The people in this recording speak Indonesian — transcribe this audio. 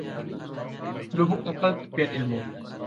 Lubuk akal tepian ilmu